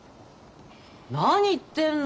何言ってるの！？